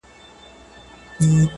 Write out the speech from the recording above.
نوي هويتونه تعين کړي